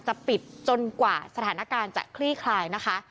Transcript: จะปิดจนกว่าสถานการณ์จะคลี่คลายนะคะ